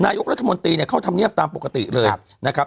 นายกรัฐมนตรีเนี่ยเข้าธรรมเนียบตามปกติเลยนะครับ